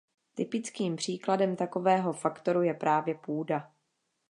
Typickým příkladem takového faktoru je právě půda.